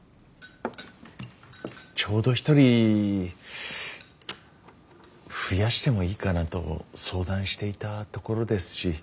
ちょうど一人増やしてもいいかなと相談していたところですし。